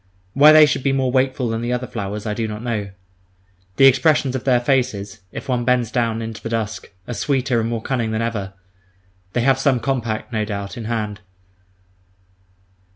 Why they should be more wakeful than the other flowers, I do not know. The expressions of their faces, if one bends down into the dusk, are sweeter and more cunning than ever. They have some compact, no doubt, in hand.